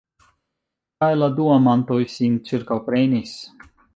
Kaj la du amantoj sin ĉirkaŭprenis.